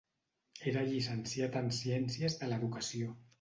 Era llicenciat en Ciències de l'educació.